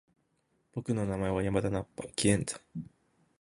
僕の名前は山田ナッパ！気円斬！